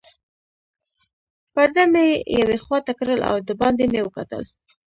پرده مې یوې خواته کړل او دباندې مې وکتل.